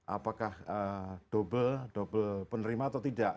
apakah double double penerima atau tidak